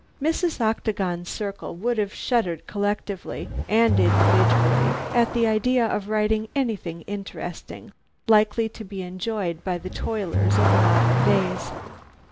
Mrs. Octagon's circle would have shuddered collectively and individually at the idea of writing anything interesting, likely to be enjoyed by the toilers of modern days.